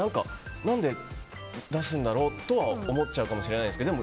何で出すんだろうとは思っちゃうかもしれないですけど。